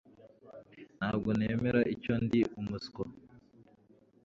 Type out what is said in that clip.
Ntabwo nemera icyo ndi umuswa